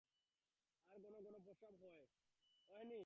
আর ঘন ঘন প্রস্রাব হয়।